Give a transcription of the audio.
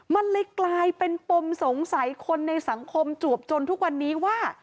มันเลยกลายเป็นปมสงสัยคนในสังคมจวบจนทุกวันนี้ว่า